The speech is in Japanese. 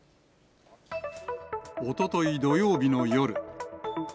おととい土曜日の夜。